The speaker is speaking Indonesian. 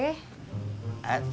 ada apaan be